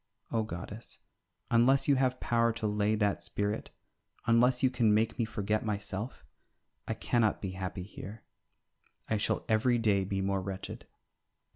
O goddess, unless you have power to lay that spirit, unless you can make me forget myself, I cannot be happy here, I shall every day be more wretched.